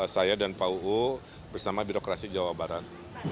saya dan pak uu bersama birokrasi jawa barat